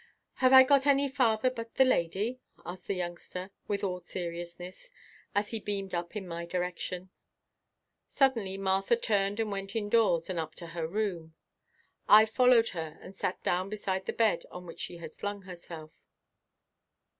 "Have I got any father but the Lady?" asked the youngster with all seriousness, as he beamed up in my direction. Suddenly Martha turned and went indoors and up to her room. I followed her and sat down beside the bed on which she had flung herself.